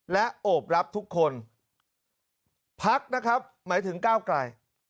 และโอบรับทุกคนพักนะครับหมายถึงก้าวไกล